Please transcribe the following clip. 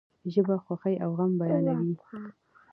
ژبه خوښی او غم بیانوي.